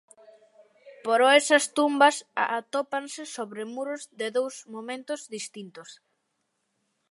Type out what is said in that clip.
Pero esas tumbas atópanse sobre muros de dous momentos distintos.